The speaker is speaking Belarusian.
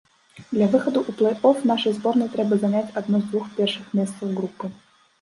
Для выхаду ў плэй-оф нашай зборнай трэба заняць адно з двух першых месцаў групы.